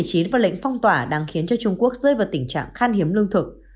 lệnh phong tỏa đang khiến cho trung quốc rơi vào tình trạng khan hiếm lương thực